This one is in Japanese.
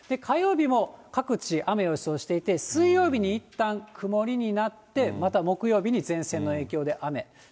火曜日も各地、雨を予想していて、水曜日にいったん曇りになって、また木曜日に前線の影響で雨。